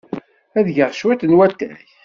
Ad d-geɣ cwiṭ n watay.